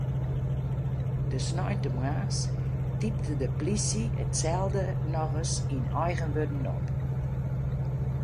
De sneintemoarns typte de plysje itselde nochris yn eigen wurden op.